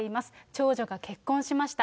長女が結婚しました。